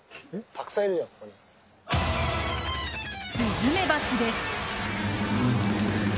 スズメバチです。